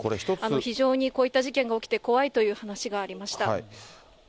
非常にこういった事件が起きて、怖いという話がありました。